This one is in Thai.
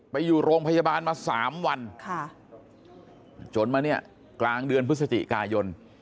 ไปอยู่โรงพยาบาลมา๓วันจนมาเนี่ยกลางเดือนพฤศจิกายน